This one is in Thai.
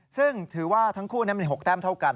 ซึ่งถือว่าทั้งคู่มี๖แต้มเท่ากัน